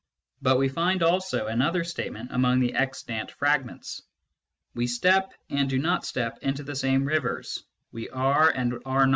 But we find also another statement among the extant fragments :" We step and do not step into the same rivers ; we are and are not."